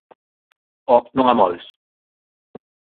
Oh, non amoles!